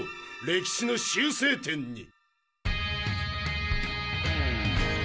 歴史の修正点に！